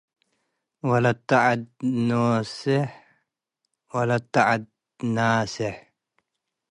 ወለተ ዐድ ኖሴሕ ወለተ ዐድ ናሴሕ